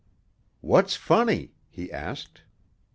"What's funny?" he asked.